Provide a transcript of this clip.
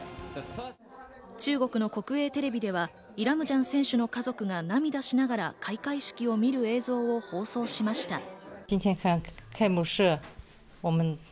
中国の国営テレビではイラムジャン選手の家族が涙しながら開会式を見る映像を放送しました。